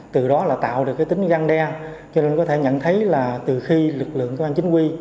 từ đó là tạo được cái tính găng đe cho nên có thể nhận thấy là từ khi lực lượng công an chính quy